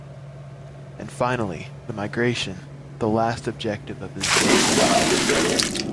And finally, the migration, the last objective of this website.